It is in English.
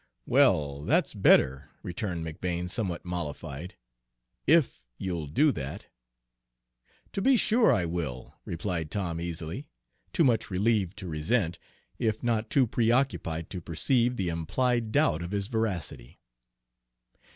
"Well, that's better," returned McBane, somewhat mollified, "if you'll do that." "To be sure I will," replied Tom easily, too much relieved to resent, if not too preoccupied to perceive, the implied doubt of his veracity.